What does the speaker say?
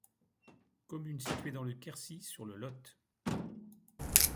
Commune située dans le Quercy sur le Lot.